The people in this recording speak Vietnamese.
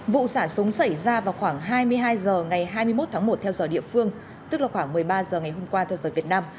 vụ xả súng xảy ra vào khoảng hai mươi hai h ngày hai mươi một tháng một theo giờ địa phương tức là khoảng một mươi ba h ngày hôm qua theo giờ việt nam